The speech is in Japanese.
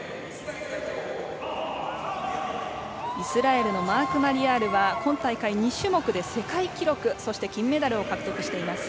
イスラエルのマーク・マリヤールは今大会２種目で世界記録そして金メダルを獲得しています。